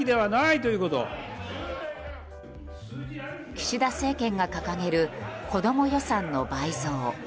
岸田政権が掲げる子ども予算の倍増。